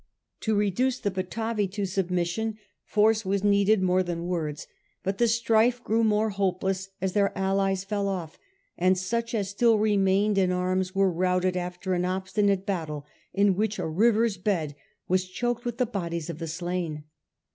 To reduce the Batavi to sub mission force was needed more than words; but the strife grew more hopeless as their allies fell off, and such as still remained in arms were routed after an obstinate battle, in which a river^s bed was choked with the bodies of the slain.